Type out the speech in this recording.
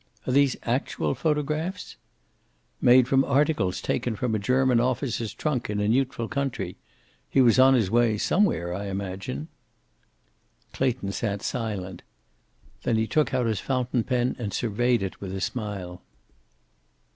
"Are these actual photographs?" "Made from articles taken from a German officer's trunk, in a neutral country. He was on his way somewhere, I imagine." Clayton sat silent. Then he took out his fountain pen and surveyed it with a smile.